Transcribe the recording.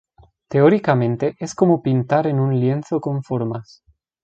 Teóricamente, es como pintar en un lienzo con formas".